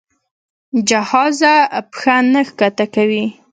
جهازه پښه نه ښکته کوي.